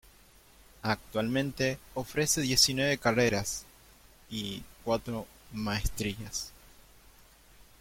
Actualmente ofrece diecinueve carreras, y cuatro maestrías.